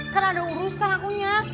kan ada urusan akunya